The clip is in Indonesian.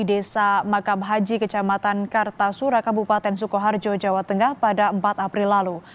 desa makam haji kecamatan kartasura kabupaten sukoharjo jawa tengah pada empat april lalu